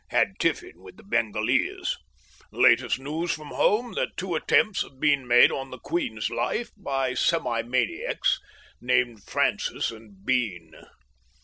Had tiffin with the Bengalese. Latest news from home that two attempts had been made on the Queen's life by semi maniacs named Francis and Bean.